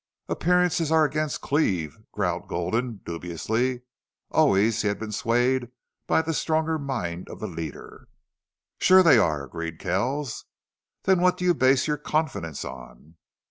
"Appearances are against Cleve," growled Gulden, dubiously. Always he had been swayed by the stronger mind of the leader. "Sure they are," agreed Kells. "Then what do you base your confidence on?"